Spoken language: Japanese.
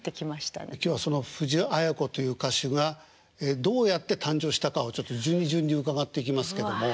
今日はその藤あや子という歌手がどうやって誕生したかを順に順に伺っていきますけども。